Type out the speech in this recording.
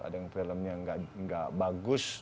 ada yang filmnya nggak bagus